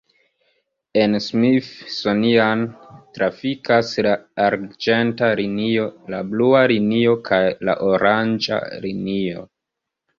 En Smithsonian trafikas la arĝenta linio, la blua linio kaj la oranĝa linio.